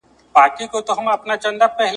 د ملغلري یو آب دی چي ولاړ سي !.